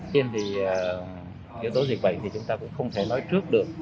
trên thì yếu tố dịch bệnh thì chúng ta cũng không thể nói trước được